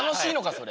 それ。